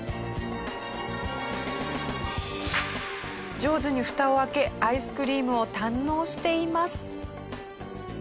上手にフタを開けアイスクリームを堪能しています。